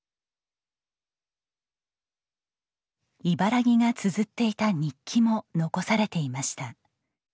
茨木がつづっていた日記も残されていました。